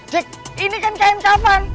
jack ini kan kain kapan